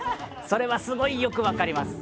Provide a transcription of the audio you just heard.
それはすごいよく分かります！